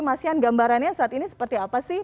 masian gambarannya saat ini seperti apa sih